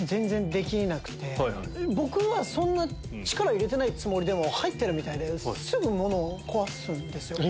そんな力入れてないつもりでも入ってるみたいですぐ物を壊すんですよ。